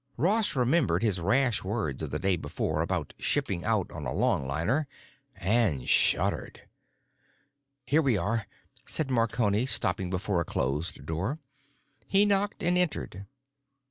Ross remembered his rash words of the day before about shipping out on a longliner, and shuddered. "Here we are," said Marconi stopping before a closed door. He knocked and entered.